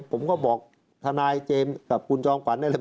ผมก็บอกทนายเจมส์กับคุณจอมขวัญได้เลย